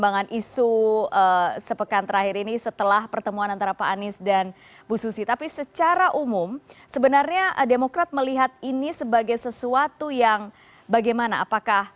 apakah terat melihat ini sebagai sesuatu yang bagaimana